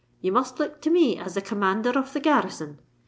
Ye must look to me as the commander of the garrison.